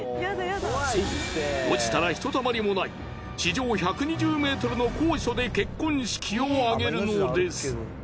そう落ちたらひとたまりもない地上１２０ｍの高所で結婚式を挙げるのです。